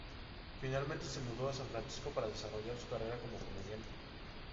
Finalmente se mudó a San Francisco para desarrollar su carrera como comediante.